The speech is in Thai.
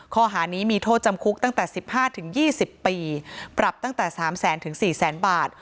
ข้อหานี้มีโทษจำคุกตั้งแต่๑๕๒๐ปีปรับตั้งแต่๓แสนถึง๔แสนบาท